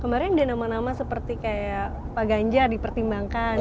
kemarin ada nama nama seperti kayak pak ganjar dipertimbangkan